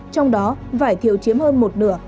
trong đó vải thiều chiếm hơn một nửa